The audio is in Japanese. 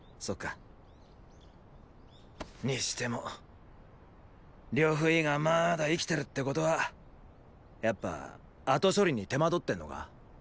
ーーにしても呂不韋がまァだ生きてるってことはやっぱ後処理に手間取ってんのか。